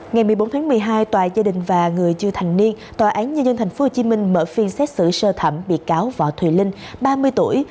ngày một mươi bốn tháng một mươi hai tòa gia đình và người chưa thành niên tòa án nhân dân tp hcm mở phiên xét xử sơ thẩm bị cáo võ thùy linh ba mươi tuổi